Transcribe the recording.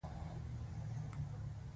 دا قسمه درد عموماً د سر د شا نه شورو کيږي